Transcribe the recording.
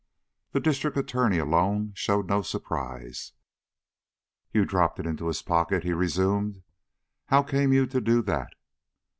The District Attorney alone showed no surprise. "You dropped it into his pocket?" he resumed. "How came you to do that?"